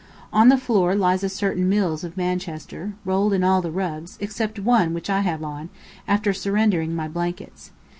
On the floor lies a certain Mills of Manchester, rolled in all the rugs, except one which I have on, after surrendering my blankets.